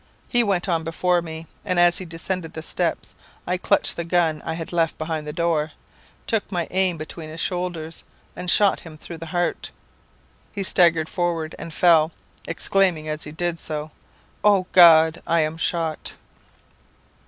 He went on before me, and as he descended the steps, I clutched the gun I had left behind the door, took my aim between his shoulders, and shot him through the heart. He staggered forward and fell, exclaiming as he did so, 'O God, I am shot!'